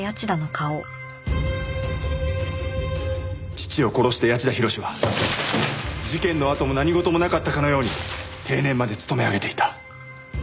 父を殺した谷内田浩司は事件のあとも何事もなかったかのように定年まで勤め上げていた。